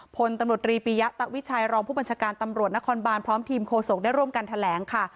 พลตำรวจรีปียะตะวิชัยรองผู้บัญชาการตำรวจนครบานพร้อมทีมโฆษกได้ร่วมกันแถลงค่ะ